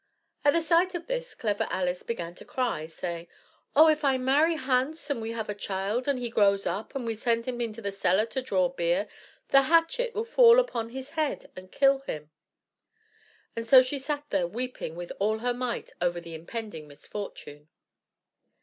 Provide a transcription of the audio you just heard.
At the sight of this Clever Alice began to cry, saying, "Oh! if I marry Hans, and we have a child, and he grows up, and we send him into the cellar to draw beer, the hatchet will fall upon his head and kill him;" and so she sat there weeping with all her might over the impending misfortune.